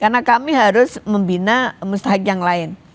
karena kami harus membina mustahik yang lain